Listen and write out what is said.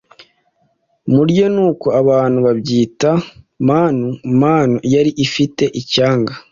murye nuko abantu babyita manu manu yari ifite icyanga